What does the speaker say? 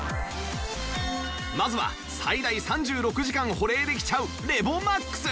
まずは最大３６時間保冷できちゃうレボマックス